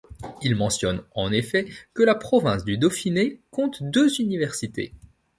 Il mentionne, en effet, que la province du Dauphiné compte deux universités.